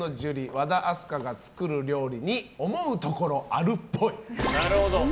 和田明日香が作る料理に思うところあるっぽい。